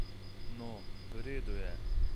No, v redu je.